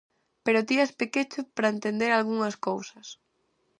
Pero ti es pequecho pra entender algunhas cousas.